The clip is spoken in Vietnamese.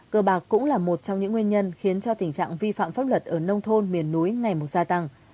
cơ bạc cũng là một trong những nguyên nhân khiến cho tình trạng vi phạm pháp luật ở nông thôn miền núi ngày một gia tăng